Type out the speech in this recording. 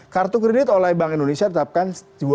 kartu kredit oleh bank indonesia tetapkan dua